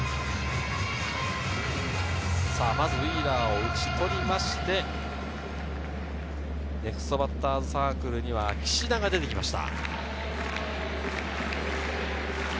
まずウィーラーを打ち取りまして、ネクストバッターズサークルには岸田が出てきました。